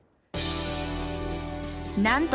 なんと！